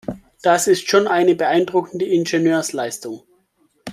Das ist schon eine beeindruckende Ingenieursleistung.